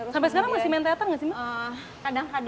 sampai sekarang masih main teater nggak sih